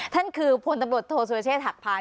ท่านคือพลตำรวจโทษสุรเชษฐหักพาน